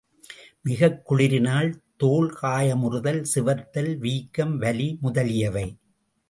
மிகக் குளிரினால் தோல் காயமுறுதல், சிவத்தல், வீக்கம், வலி முதலியவை.